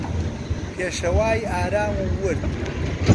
پێشەوای ئارام و ورد